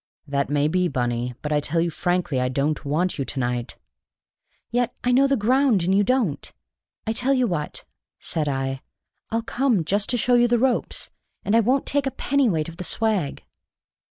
"That may be, Bunny, but I tell you frankly I don't want you to night." "Yet I know the ground and you don't! I tell you what," said I: "I'll come just to show you the ropes, and I won't take a pennyweight of the swag."